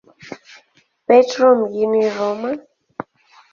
Petro mjini Roma.